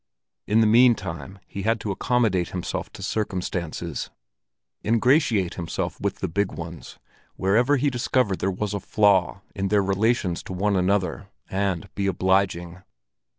In the meantime he had to accommodate himself to circumstances, ingratiate himself with the big ones, wherever he discovered there was a flaw in their relations to one another, and be obliging.